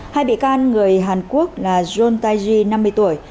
hai bị can người hàn quốc là john tayji năm mươi tuổi